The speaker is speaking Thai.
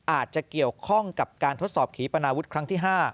อาจจะเกี่ยวข้องกับการทดสอบขีปนาวุฒิครั้งที่๕